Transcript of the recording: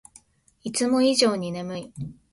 いつも以上に眠い